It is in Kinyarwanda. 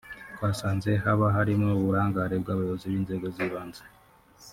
twasanze haba harimo uburangare bw’abayobozi b’inzego z’ibanze